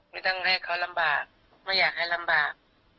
ไม่ต้องให้เขาลำบากไม่อยากให้ลำบาก